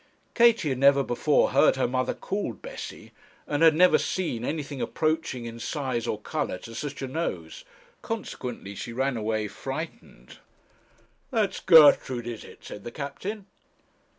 Katie had never before heard her mother called Bessie, and had never seen anything approaching in size or colour to such a nose, consequently she ran away frightened. 'That's Gertrude is it?' said the captain.